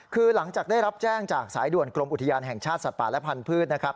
คือหลังจากได้รับแจ้งจากสายด่วนกรมอุทยานแห่งชาติสัตว์ป่าและพันธุ์นะครับ